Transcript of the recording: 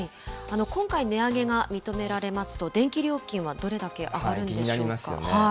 今回、値上げが認められますと、電気料金はどれだけ上がるん気になりますよね。